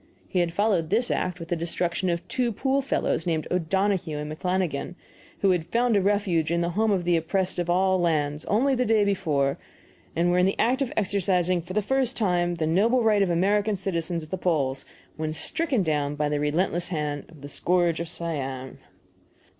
He had followed this act with the destruction of two pool fellows, named O'Donohue and McFlannigan, who had "found a refuge in the home of the oppressed of all lands only the day before, and were in the act of exercising for the first time the noble right of American citizens at the polls, when stricken down by the relentless hand of the Scourge of Siam."